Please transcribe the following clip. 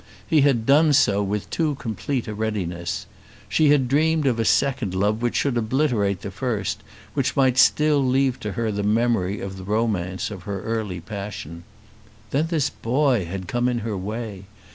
He had done so, with too complete readiness! She had dreamed of a second love, which should obliterate the first, which might still leave to her the memory of the romance of her early passion. Then this boy had come in her way!